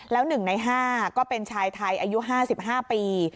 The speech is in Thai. แล้ว๑ใน๕ก็เป็นชายไทยอายุ๕๕ปี